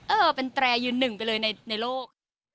เออเป็นแตรยืนหนึ่งไปเลยในโลก